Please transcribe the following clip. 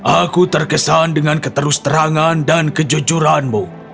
aku terkesan dengan keterusterangan dan kejujuranmu